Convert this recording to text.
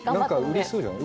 うれしそうじゃない？